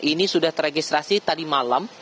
ini sudah teregistrasi tadi malam dua puluh satu maret